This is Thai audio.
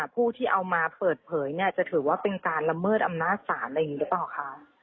ผู้ที่เอามาเปิดเผยเนี่ยจะถือว่าเป็นการละเมิดอำนาจศาลอะไรอย่างนี้หรือเปล่าคะ